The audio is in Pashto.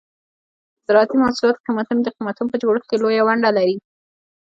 د زراعتي محصولاتو قیمتونه د قیمتونو په جوړښت کې لویه ونډه لري.